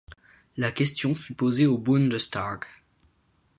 La question fut posée au Bundestag.